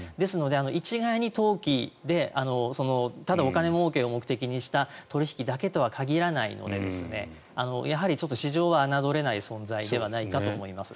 一概に投機でただ、お金もうけを目的とした取引とは限らないので市場は侮れない存在ではないかと思います。